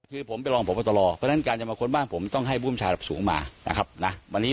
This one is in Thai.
คือผมไปลองบรรษตรอเพราะฉะนั้นการมาค้นบ้านผมต้องให้บุมชาหรับสู่มานะครับ